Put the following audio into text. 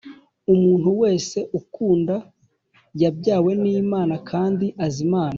Umuntu wese ukunda yabyawe n’Imana kandi azi Imana.